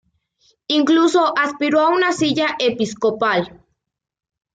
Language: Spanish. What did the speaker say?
Incluso aspiró a una silla episcopal.